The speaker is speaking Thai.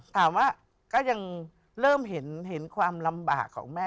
ถามว่าก็ยังเริ่มเห็นความลำบากของแม่